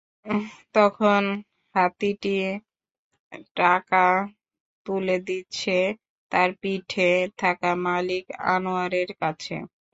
তখন হাতিটি টাকা তুলে দিচ্ছে তার পিঠে থাকা মালিক আনোয়ারের কাছে।